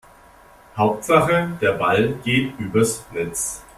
Hauptsache der Ball geht übers Netz.